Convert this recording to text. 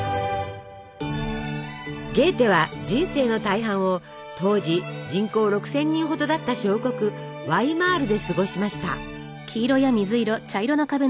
ゲーテは人生の大半を当時人口６，０００人ほどだった小国ワイマールで過ごしました。